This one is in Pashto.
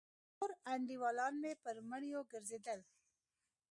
نور انډيولان مې پر مړيو گرځېدل.